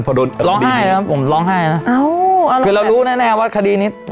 พอโดนร้องไห้นะครับผมร้องไห้นะเอ้าอะไรคือเรารู้แน่แน่ว่าคดีนี้